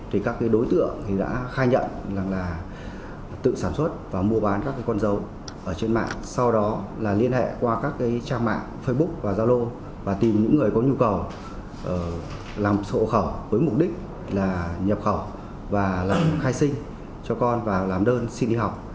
trang mạng facebook và giao lô và tìm những người có nhu cầu làm sổ hộ khẩu với mục đích là nhập khẩu và làm khai sinh cho con và làm đơn xin đi học